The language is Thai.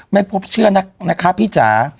ไม่พบเชื่อนักนะคะพี่จ๋า